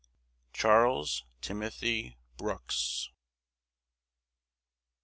CHARLES TIMOTHY BROOKS.